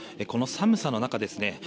この寒さの中ですね